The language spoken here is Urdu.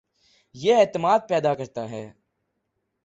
یہ اعتماد پیدا کرتا ہے